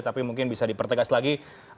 tapi mungkin bisa dipertegas lagi